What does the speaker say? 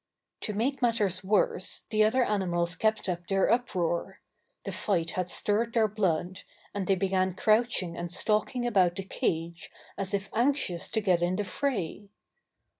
To make matters worse the other animals kept up their uproar. The fight had stirred their blood, and they began crouching and stalking about the cage as if anxious to get in the fray.